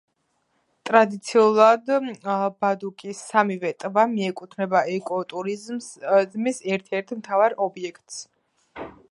ტრადიციულად ბადუკის სამივე ტბა მიეკუთვნება ეკო ტურიზმის ერთ-ერთ მთავარ ობიექტს.